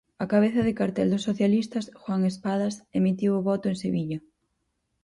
O cabeza de cartel dos socialistas, Juan Espadas, emitiu o voto en Sevilla.